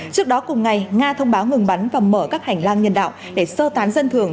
trước đó cùng ngày nga thông báo ngừng bắn và mở các hành lang nhân đạo để sơ tán dân thường